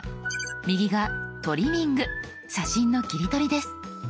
右が「トリミング」写真の切り取りです。